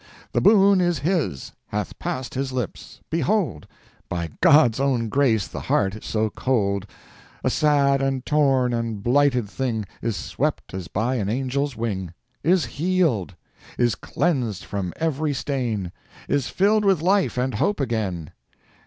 The boon is his! hath passed his lips! Behold! By God's own grace, the heart so cold— A sad, and torn, and blighted thing— Is swept as by an angel's wing! Is healed! is cleansed from every stain! Is filled with life and hope again.